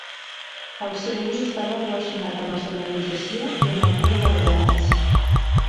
El seu ús estava relacionat amb la senyalització i amb la crida dels ramats.